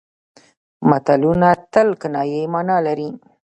متلونه تل کنايي مانا لري